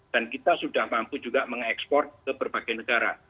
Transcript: dan kita sudah mampu juga mengekspor ke berbagai negara